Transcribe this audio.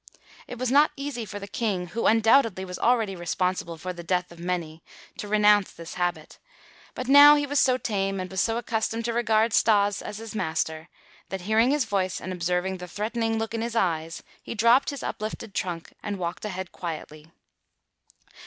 It was not easy for the King, who undoubtedly was already responsible for the death of many, to renounce this habit, but now he was so tame and was so accustomed to regard Stas as his master, that hearing his voice and observing the threatening look in his eyes, he dropped his uplifted trunk and walked ahead quietly.